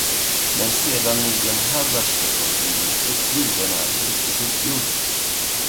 Men sedan nu den här värsta punkten blivit uppgjord den är ju riktigt uppgjord.